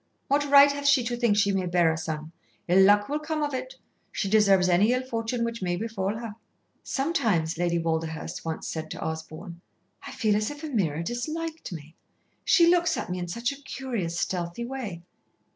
What right hath she to think she may bear a son. Ill luck will come of it. She deserves any ill fortune which may befall her." "Sometimes," Lady Walderhurst once said to Osborn, "I feel as if Ameerah disliked me. She looks at me in such a curious, stealthy way."